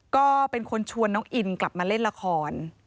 ก็เป็นคนชวนน้องอินกลับมาเล่นละคร